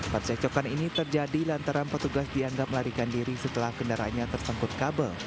pencecokan ini terjadi lantaran petugas dianggap larikan diri setelah kendaraannya tersangkut kabel